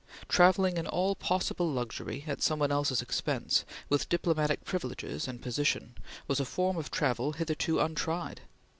Travelling in all possible luxury, at some one else's expense, with diplomatic privileges and position, was a form of travel hitherto untried.